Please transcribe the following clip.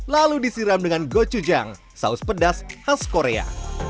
lalu disiram dengan gocujang saus pedas khas korea